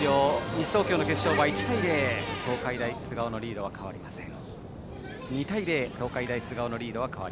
西東京の決勝は２対０東海大菅生のリードは変わりません。